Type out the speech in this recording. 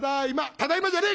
「『ただいま』じゃねえ